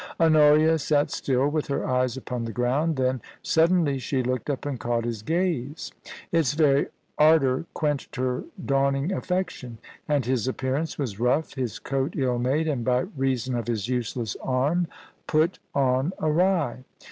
* Honoria sat still, with her eyes upon the ground ; then suddenly she looked up and caught his gaze. Its very ardour quenched her dawning affection ; and his appearance was rough, his coat ill made, and by reason of his useless arm, put on awry.